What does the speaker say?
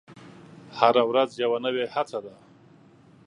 هره ورځ یوه نوې هڅه ده.